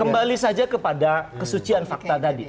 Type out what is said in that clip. kembali saja kepada kesucian fakta tadi